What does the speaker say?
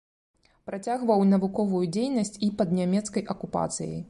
Працягваў навуковую дзейнасць і пад нямецкай акупацыяй.